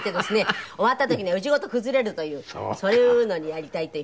終わった時に家ごと崩れるというそういうのやりたいという。